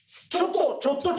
ちょっと！